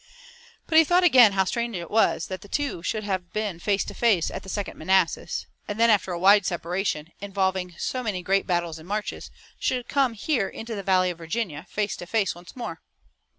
But he thought again how strange it was that the two should have been face to face at the Second Manassas, and then after a wide separation, involving so many great battles and marches, should come here into the Valley of Virginia, face to face once more.